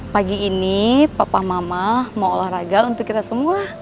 pagi ini papa mama mau olahraga untuk kita semua